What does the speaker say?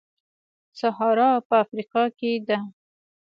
سهارا په افریقا کې ده.